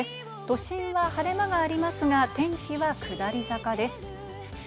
都心は晴れ間がありますが、天気は下り坂です。